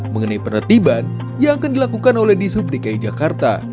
mengenai penerbitan yang akan dilakukan oleh dishub dki jakarta